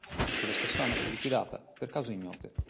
In quello stesso anno fu liquidata, per cause ignote.